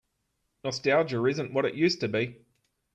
Nostalgia isn't what it used to be.